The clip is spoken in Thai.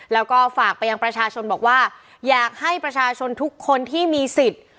แล้วก็ฝากไปยังประชาชนบอกว่าอยากให้ประชาชนทุกคนที่มีสิทธิ์